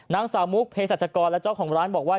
นางสาวมุกเพศรัชกรและเจ้าของร้านบอกว่า